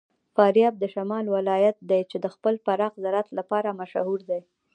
فاریاب د شمال ولایت دی چې د خپل پراخ زراعت لپاره مشهور دی.